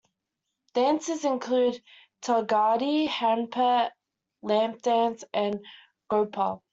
Dances include "Talgadi", "Hanpet", Lamp Dance and "Gopha".